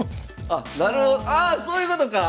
なるほどああそういうことか！